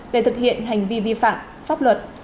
để thực hiện hành vi vi phạm pháp luật